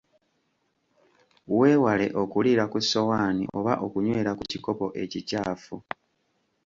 Weewale okuliira ku ssowaani oba okunywera ku kikopo ekikyafu.